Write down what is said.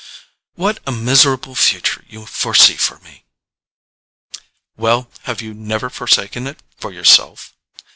"What a miserable future you foresee for me!" "Well—have you never foreseen it for yourself?"